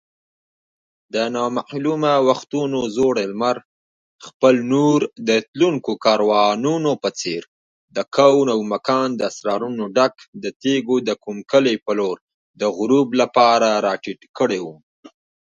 Although the song is about relationships, the phrase has a similar meaning.